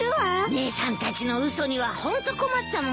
姉さんたちの嘘にはホント困ったもんだよな。